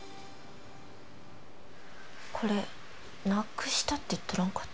これなくしたって言っとらんかった？